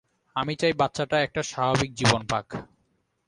আমি চাই বাচ্চাটা একটা স্বাভাবিক জীবন পাক।